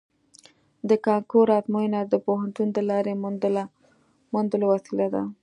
د کانکور ازموینه د پوهنتون د لارې موندلو وسیله ده